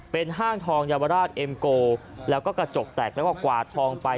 เป็นห้างทองเยาวราชเอ็มโกแล้วก็กระจกแตกแล้วก็กวาดทองไป